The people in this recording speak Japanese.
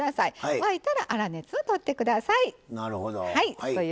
沸いたら粗熱をとってください。